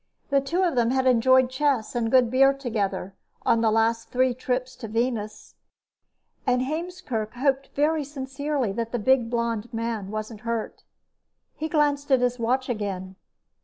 The two of them had enjoyed chess and good beer together on his last three trips to Venus, and Heemskerk hoped very sincerely that the big blond man wasn't hurt. He glanced at his watch again.